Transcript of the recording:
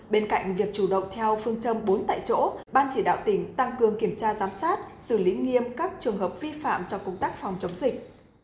bên cạnh việc chủ động theo phương châm bốn tại chỗ ban chỉ đạo tỉnh tăng cường kiểm tra giám sát xử lý nghiêm các trường hợp vi phạm trong công tác phòng chống dịch